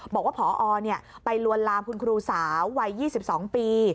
บอกว่าพอไปลวนลามคุณครูสาววัย๒๒ปี